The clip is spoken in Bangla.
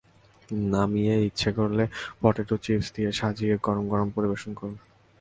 নামিয়ে ইচ্ছে করলে পটেটো চিপস দিয়ে সাজিয়ে গরম গরম পরিবেশন করুন।